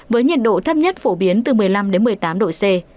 với nhiệt độ thấp nhất phổ biến từ một mươi năm đến một mươi tám độ c